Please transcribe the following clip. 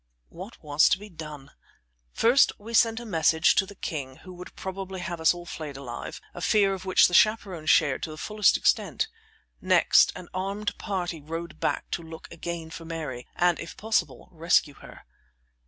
What was to be done? First we sent a message to the king, who would probably have us all flayed alive a fear which the chaperons shared to the fullest extent. Next, an armed party rode back to look again for Mary, and, if possible, rescue her.